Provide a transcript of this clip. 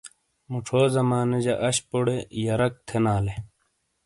موچھو زمانے جا انشپوڈے یرک تھینالے۔